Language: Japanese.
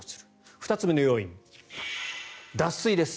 ２つ目の要因は脱水です。